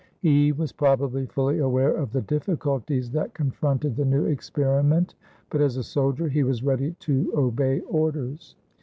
He was probably fully aware of the difficulties that confronted the new experiment, but as a soldier he was ready to obey orders.